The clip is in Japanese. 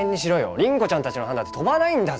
倫子ちゃんたちの班だって飛ばないんだぞ。